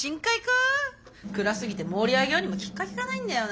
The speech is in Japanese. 暗すぎて盛り上げようにもきっかけがないんだよな。